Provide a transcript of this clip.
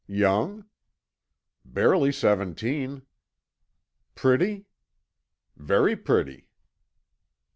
"Young?" "Barely seventeen." "Pretty?" "Very pretty."